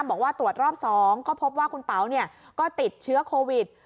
บอกว่าตรวจรอบ๒ก็พบว่าคุณเป๋าก็ติดเชื้อโควิด